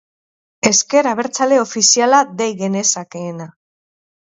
Ezker Abertzale ofiziala dei genezakeena.